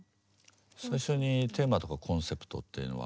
最初にテーマとかコンセプトっていうのは。